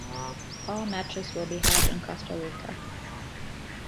All matches will be held in Costa Rica.